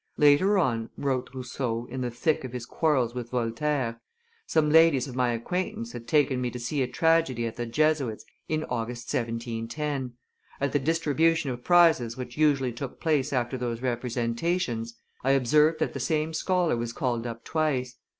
"Later on," wrote Rousseau, in the thick of his quarrels with Voltaire, "some ladies of my acquaintance had taken me to see a tragedy at the Jesuits in August, 1710; at the distribution of prizes which usually took place after those representations, I observed that the same scholar was called up twice.